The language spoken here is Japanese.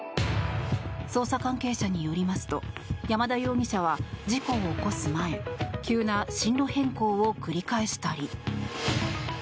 捜査関係者によりますと山田容疑者は事故を起こす前急な進路変更を繰り返したり。